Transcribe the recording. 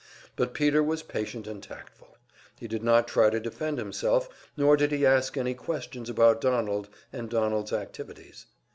But Peter was patient and tactful; he did not try to defend himself, nor did he ask any questions about Donald and Donald's activities.